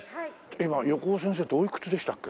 今横尾先生っておいくつでしたっけ？